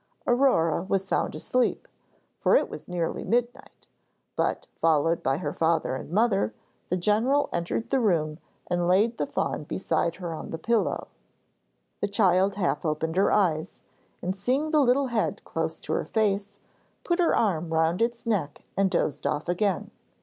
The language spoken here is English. Aurore was sound asleep, for it was nearly midnight, but, followed by her father and mother, the general entered the room and laid the fawn beside her on the pillow. The child half opened her eyes, and seeing the little head close to her face, put her arm round its neck and dozed off again.